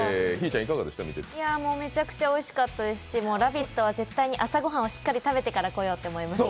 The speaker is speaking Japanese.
めちゃくちゃおいしかったですし「ラヴィット！」は絶対朝ご飯をしっかり食べてから来ようって思いました。